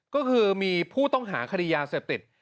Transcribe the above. ก็คือมีผู้ต้องหาคดียาเสพติด